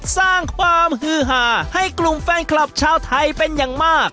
สร้างความฮือหาให้กลุ่มแฟนคลับชาวไทยเป็นอย่างมาก